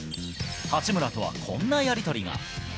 八村とはこんなやり取りが。